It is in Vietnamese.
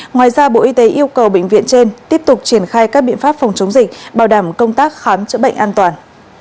ngoài ra bộ y tế yêu cầu bệnh viện trên tiếp tục triển khai các biện pháp phòng chống dịch bảo đảm công tác khám chữa bệnh an toàn